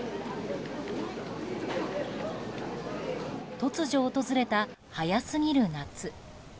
突如訪れた早すぎる夏。